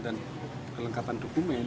dan kelengkapan dokumen